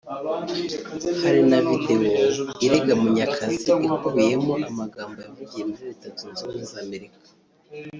Hari na video irega Munyakazi ikubiyemo amagambo yavugiye muri Leta Zunze Ubumwe za Amerika